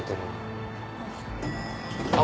・あっ。